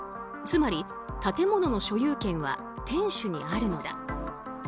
つまり建物の所有権は店主にあるのだ。